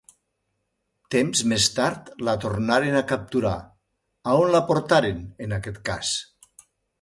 Temps més tard la tornaren a capturar, a on la portaren en aquest cas?